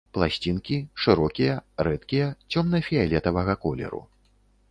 Пласцінкі, шырокія, рэдкія, цёмна-фіялетавага колеру.